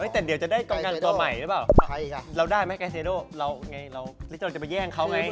แต่เดี๋ยวจะได้กำนันตัวใหม่หรือเปล่าเราได้ไหมแกเซโดเราไงเราจะไปแย่งเขาไง